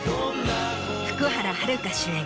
福原遥主演